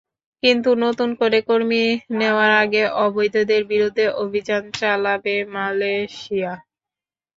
কিন্তু নতুন করে কর্মী নেওয়ার আগে অবৈধদের বিরুদ্ধে অভিযান চালাবে মালয়েশিয়া।